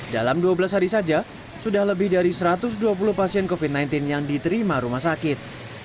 dalam dua belas hari saja sudah lebih dari satu ratus dua puluh pasien covid sembilan belas yang diterima rumah sakit